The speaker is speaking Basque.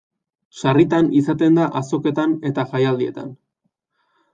Sarritan izaten da azoketan eta jaialdietan.